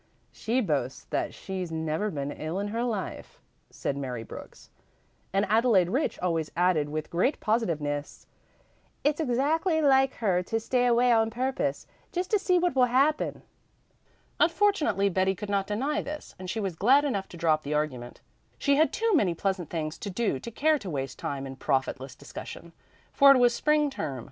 "She boasts that she's never been ill in her life," said Mary Brooks. And Adelaide Rich always added with great positiveness, "It's exactly like her to stay away on purpose, just to see what will happen." Unfortunately Betty could not deny this, and she was glad enough to drop the argument. She had too many pleasant things to do to care to waste time in profitless discussion. For it was spring term.